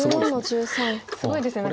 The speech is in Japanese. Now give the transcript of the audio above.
すごいですね。